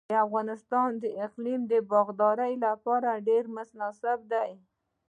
د افغانستان اقلیم د باغدارۍ لپاره ډیر مناسب دی.